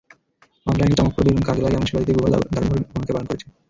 অনলাইনে চমকপ্রদ এবং কাজে লাগে এমন সেবা দিতে গুগল দারুণ ভূমিকা পালন করছে।